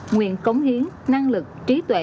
nguyện cống hiến năng lực trí tuệ